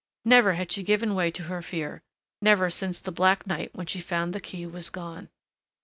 Never had she given way to her fear, never since the black night when she found the key was gone.